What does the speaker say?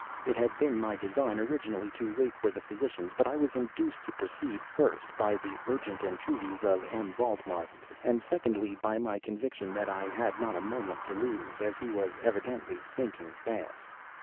It had been my design, originally, to wait for the physicians; but I was induced to proceed, first, by the urgent entreaties of M. Valdemar, and secondly, by my conviction that I had not a moment to lose, as he was evidently sinking fast.